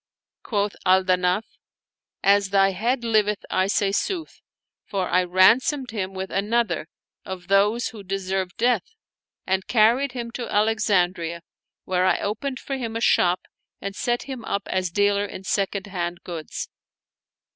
Quoth Al Danaf, " As thy head liveth I say sooth ; for I ransomed him with another, of those who deserved death ; and carried him to Alexandria where I opened for him a shop and set him up as dealer in second hand goods."